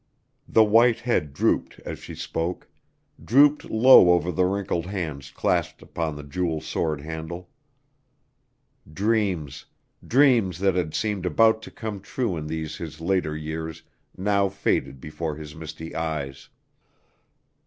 The white head drooped as she spoke, drooped low over the wrinkled hands clasped upon the jeweled sword handle. Dreams dreams that had seemed about to come true in these his later years now faded before his misty eyes.